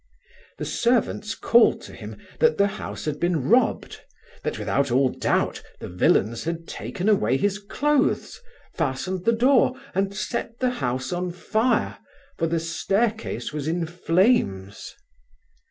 The servants called to him, that the house had been robbed; that, without all doubt, the villains had taken away his cloaths, fastened the door, and set the house on fire, for the stair case was in flames.